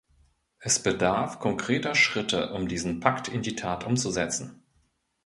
Es bedarf konkreter Schritte, um diesen Pakt in die Tat umzusetzen.